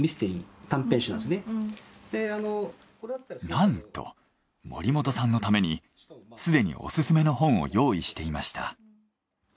なんと森本さんのためにすでにオススメの本を用意していました。